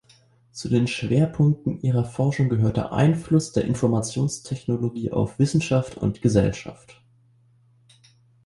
Zu den Schwerpunkten ihrer Forschung gehört der Einfluss der Informationstechnologie auf Wissenschaft und Gesellschaft.